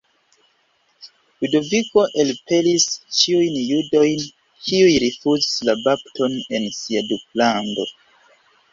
Ludoviko elpelis ĉiuj judojn kiuj rifuzis la bapton en sia duklando.